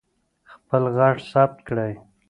خپل غږ ثبت کړئ.